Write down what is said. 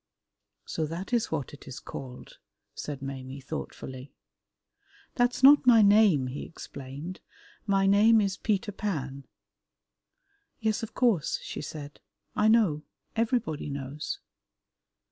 "So that is what it is called," said Maimie thoughtfully. "That's not my name," he explained, "my name is Peter Pan." "Yes, of course," she said, "I know, everybody knows."